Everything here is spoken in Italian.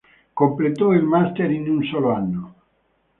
Completò il master in un solo anno.